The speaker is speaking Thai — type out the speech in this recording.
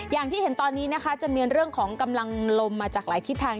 อย่างที่เห็นตอนนี้นะคะจะมีเรื่องของกำลังลมมาจากหลายทิศทาง